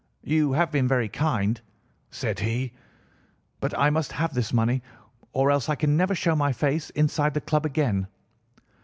"'You have been very kind,' said he, 'but I must have this money, or else I can never show my face inside the club again.